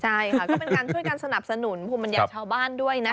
ใช่ค่ะก็เป็นการช่วยกันสนับสนุนมันอยากชาวบ้านด้วยนะ